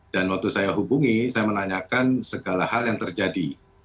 dan waktu saya hubungi saya menanyakan segala hal yang terjadi